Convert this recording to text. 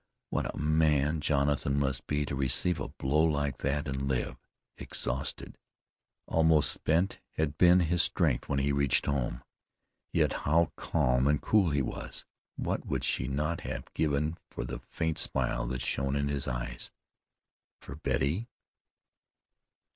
What a man Jonathan must be to receive a blow like that and live! Exhausted, almost spent, had been his strength when he reached home, yet how calm and cool he was! What would she not have given for the faint smile that shone in his eyes for Betty?